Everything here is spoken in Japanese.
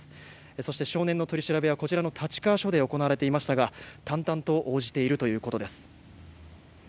そして、少年の取り調べはこちら、立川署で行われていましたが淡々と応じているということです。